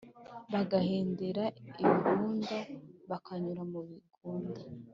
bagahengera ibibunda bakanyura mu bigunda